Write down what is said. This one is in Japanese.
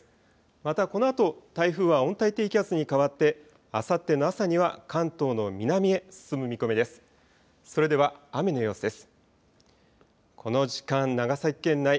またこのあと台風は温帯低気圧に変わってあさっての朝には関東の南へ進む見込みです。